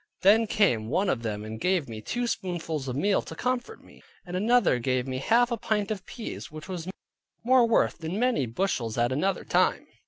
Then came one of them and gave me two spoonfuls of meal to comfort me, and another gave me half a pint of peas; which was more worth than many bushels at another time.